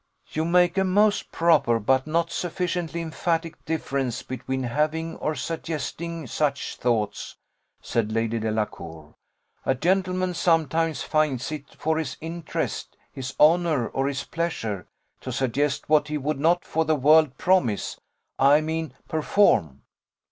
"You make a most proper, but not sufficiently emphatic difference between having or suggesting such thoughts," said Lady Delacour. "A gentleman sometimes finds it for his interest, his honour, or his pleasure, to suggest what he would not for the world promise, I mean perform."